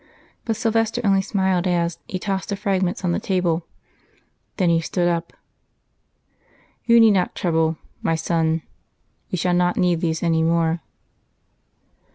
But Silvester only smiled as He tossed the fragments on to the table. Then He stood up. "You need not trouble, my son.... We shall not need these any more....